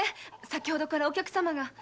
先程からお客様が。